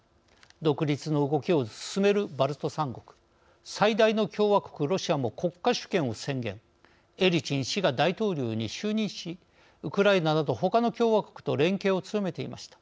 独立の動きを進めるバルト三国最大の共和国ロシアも国家主権を宣言エリツィン氏が大統領に就任しウクライナなどほかの共和国と連携を強めていました。